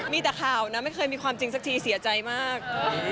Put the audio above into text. มีแต่ข่าวนะไม่เคยมีความจริงสักทีเสียใจมาก